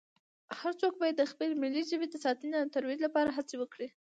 هر څو باید د خپلې ملي ژبې د ساتنې او ترویج لپاره هڅې وکړي